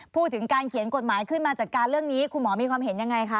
พูดถึงการเขียนกฎหมายขึ้นมาจัดการเรื่องนี้คุณหมอมีความเห็นยังไงคะ